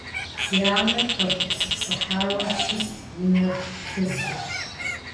Си анэр хэгупсысыхьауэ щыст и нэр плъызу.